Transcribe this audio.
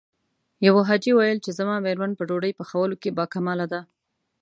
يوه حاجي ويل چې زما مېرمن په ډوډۍ پخولو کې باکماله ده.